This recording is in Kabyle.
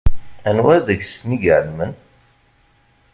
Anwa deg-sen i iɛelmen?